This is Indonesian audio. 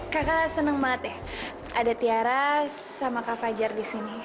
kakak seneng banget ada tiara sama kak fajar di sini